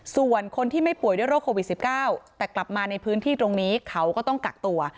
ส่วนคนที่ไม่ป่วยด้วยโรคโควิด๑๙แต่กลับมาในพื้นที่ตรงนี้เขาก็ต้องกักตัว